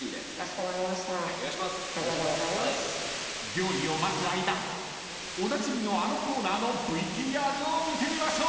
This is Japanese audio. ［料理を待つ間おなじみのあのコーナーのＶＴＲを見てみましょう］